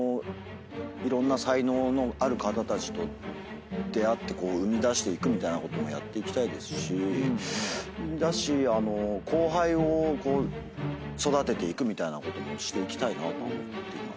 いろんな才能のある方たちと出会って生み出していくみたいなこともやっていきたいですし後輩を育てていくみたいなこともしていきたいなとは思っています。